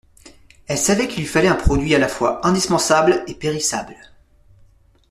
Elle savait qu’il lui fallait un produit à la fois indispensable et périssable.